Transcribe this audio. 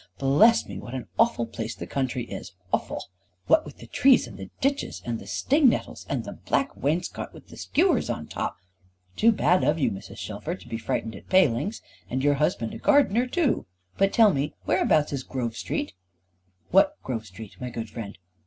Bless me, what an awful place the country is, awful! What with the trees, and the ditches, and the sting nettles, and the black wainscot with skewers on the top " "Too bad of you, Mrs. Shelfer, to be frightened at palings and your husband a gardener, too! But tell me whereabouts is Grove Street?" "What Grove Street, my good friend?"